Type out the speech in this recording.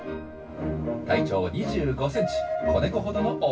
体長２５センチ子猫ほどの大きさです。